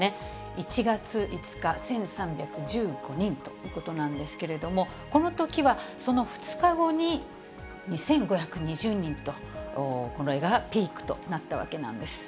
１月５日、１３１５人ということなんですけれども、このときはその２日後に２５２０人と、これがピークとなったわけなんです。